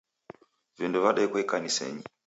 Vindo vadekwa ikanisenyi